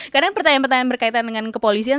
karena pertanyaan pertanyaan berkaitan dengan kepolisian